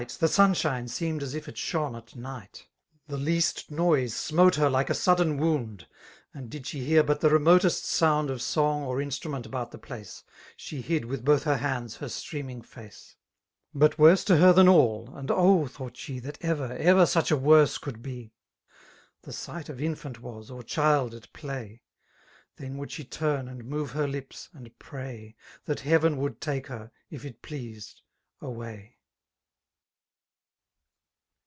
The sunshine^ seepied as if it shone at night; 89 The leastneiie sioaote her like arsvddeB wound; And did ribe bear but the remotest soiiBd Of song or instrument about the plaice> . She hid with both her hands her streaming face. But worse to her than all (and oh L thought sh6» That ever, ever siieh a worse cotdd bel) The sight of infant was, xx diild at play; Then, would she tttm» and move ber lips, and pray. That heaven would take her, if it pleased, away.